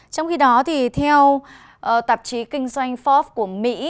trong khi đó theo tạp chí kinh doanh forbes của mỹ